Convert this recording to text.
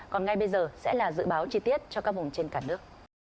còn ngay bây giờ sẽ là dự báo chi tiết cho các vùng trên cả nước